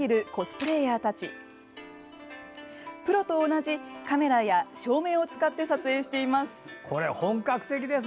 プロと同じカメラや照明を使って撮影しています。